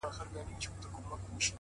هوښیار انسان هره تجربه کاروي,